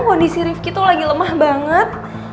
kondisi rifki tuh lagi lemah banget